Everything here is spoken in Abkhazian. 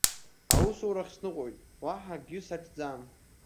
Аусурахь сныҟәоит, уаҳа акгьы саҿӡам.